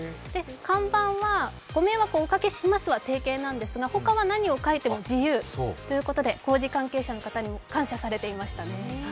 看板は「ご迷惑をおかけします」は定型なんですが他は何を書いても自由ということで工事関係者の方にも感謝されていましたね。